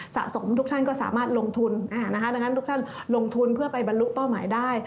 สะสมทุกท่านก็สามารถลงทุนดังนั้นทุกท่านลงทุนเพื่อไปบรรลุเป้าหมายได้